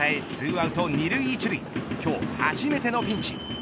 ２アウト２塁１塁今日初めてのピンチ。